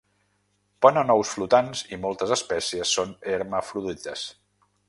Ponen ous flotants i moltes espècies són hermafrodites.